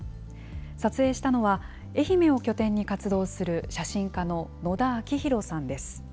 撮影したのは、愛媛を拠点に活動する写真家の野田明宏さんです。